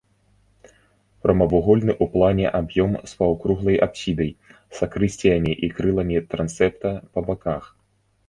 Прамавугольны ў плане аб'ём з паўкруглай апсідай, сакрысціямі і крыламі трансепта па баках.